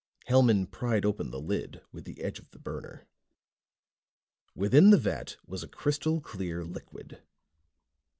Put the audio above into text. Hellman pried open the lid with the edge of the burner. Within the vat was a crystal clear liquid.